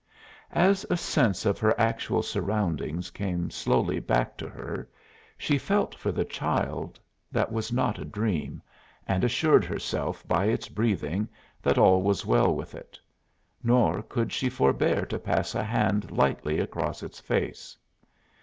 As a sense of her actual surroundings came slowly back to her she felt for the child that was not a dream, and assured herself by its breathing that all was well with it; nor could she forbear to pass a hand lightly across its face.